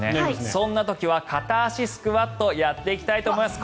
そんな時は片足スクワットやっていきたいと思います。